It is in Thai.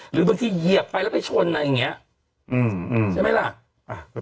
หรือบางทีเป็นตอนที่เยียบไปแล้วเปูยงชน